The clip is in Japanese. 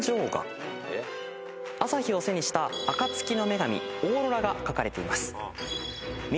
朝日を背にした暁の女神オーロラが描かれています。